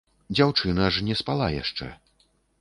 Дзяўчына ж не спала яшчэ.